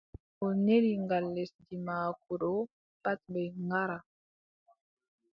O neli ngal lesdi maako ɗo pat ɓe ngara.